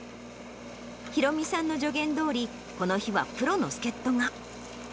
裕美さんの助言どおり、この日はプロの助っ人が。